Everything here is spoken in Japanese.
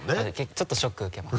ちょっとショック受けます。